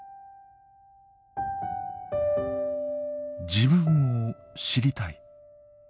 「自分を知りたい」。